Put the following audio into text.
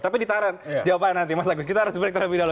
tapi ditahan jawaban nanti mas agus kita harus break terlebih dahulu